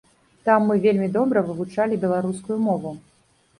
Там мы вельмі добра вывучалі беларускую мову.